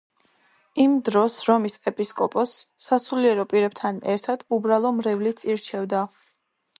იმ დროს რომის ეპისკოპოსს სასულიერო პირებთან ერთად უბრალო მრევლიც ირჩევდა.